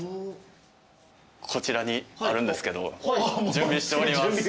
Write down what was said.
こちらにあるんですけど準備しております。